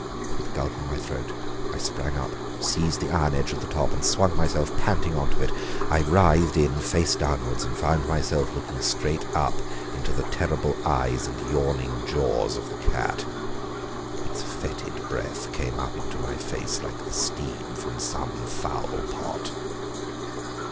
With a gulp in my throat I sprang up, seized the iron edge of the top, and swung myself panting on to it. I writhed in face downwards, and found myself looking straight into the terrible eyes and yawning jaws of the cat. Its fetid breath came up into my face like the steam from some foul pot.